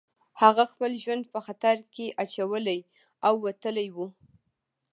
هغه خپل ژوند په خطر کې اچولی او وتلی و